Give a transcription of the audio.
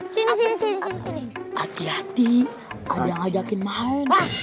sini sini hati hati ada yang ngajakin mau